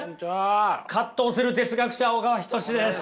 葛藤する哲学者小川仁志です。